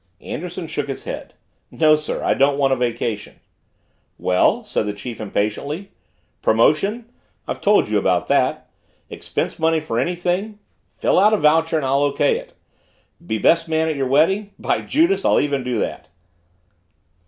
Anderson shook his head, "No sir I don't want a vacation." "Well," said the chief impatiently. "Promotion? I've told you about that. Expense money for anything fill out a voucher and I'll O.K. it be best man at your wedding by Judas, I'll even do that!"